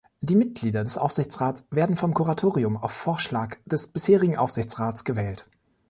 Die Mitglieder des Aufsichtsrates werden vom Kuratorium auf Vorschlag des bisherigen Aufsichtsrats gewählt.